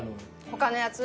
他のやつ？